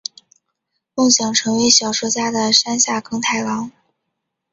梦想成为小说家的山下耕太郎！